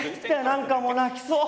何かもう泣きそう！